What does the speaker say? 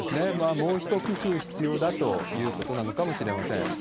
もう一工夫必要だということなのかもしれません。